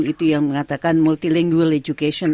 itu yang mengatakan multilingual education